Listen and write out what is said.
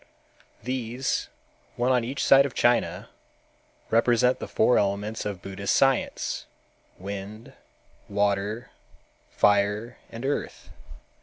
These, one on each side of China, represent the four elements of Buddhist science, wind, water, fire and earth.